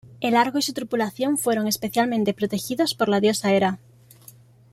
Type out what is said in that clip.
El Argo y su tripulación fueron especialmente protegidos por la diosa Hera.